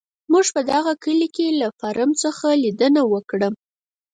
موږ په دغه کلي کې له فارم څخه لیدنه وکړه.